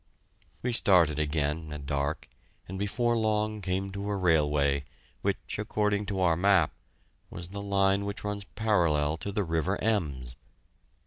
We started again, at dark, and before long came to a railway, which, according to our map, was the line which runs parallel to the river Ems.